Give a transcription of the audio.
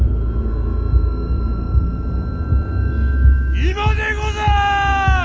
今でござる！